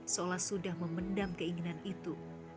seolah sudah memendam keinginan itu